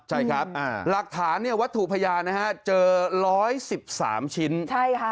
ใช่ครับอ่ารักฐานี่วัตถุพยานนะฮะเจอร้อยสิบสามชิ้นใช่ค่ะ